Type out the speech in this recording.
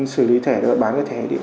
xử lý thẻ và bán cái thẻ